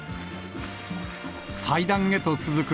祭壇へと続く